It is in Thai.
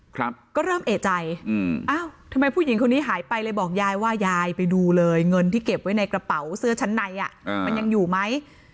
ครับก็เริ่มเอกใจอืมอ้าวทำไมผู้หญิงคนนี้หายไปเลยบอกยายว่ายายไปดูเลยเงินที่เก็บไว้ในกระเป๋าเสื้อชั้นในอ่ะมันยังอยู่ไหม